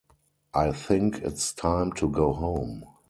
I think it's time to go home.